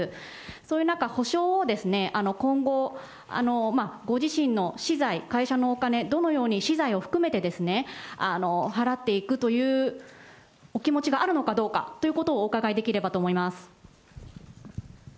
そういう中、補償を今後、ご自身の私財、会社のお金、どのように私財を含めて、払っていくというお気持ちがあるのかどうかということをお伺いできればと思います。